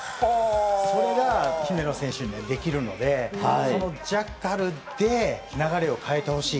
それが姫野選手にはできるのでそのジャッカルで流れを変えてほしい。